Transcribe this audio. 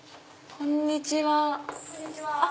こんにちは。